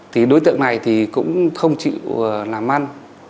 thì đối tượng này thì cũng không chịu làm ăn